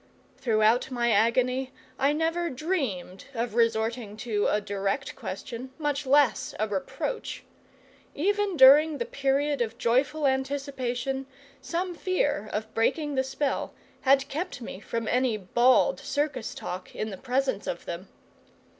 Throughout my agony I never dreamed of resorting to a direct question, much less a reproach. Even during the period of joyful anticipation some fear of breaking the spell had kept me from any bald circus talk in the presence of them.